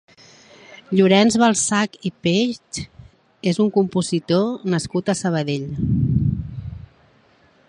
Llorenç Balsach i Peig és un compositor nascut a Sabadell.